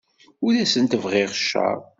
Ur asent-bɣiɣ cceṛ.